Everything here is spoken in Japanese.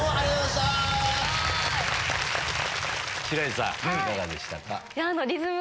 白石さん